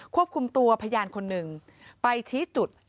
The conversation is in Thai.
ควบคุมตัวพยานคนหนึ่งไปชี้จุด